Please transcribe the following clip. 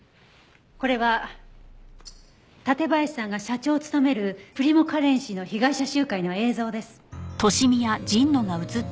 これは館林さんが社長を務めるプリモカレンシーの被害者集会の映像です。